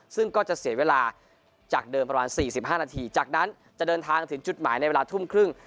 ซึ่งก็จะเสียเวลาจากเดิมประมาณ๔๕นาทีจากนั้นจะเดินทางถึงจุดหมายในเวลาทุ่มครึ่ง